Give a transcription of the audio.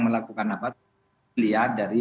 melakukan apa lihat dari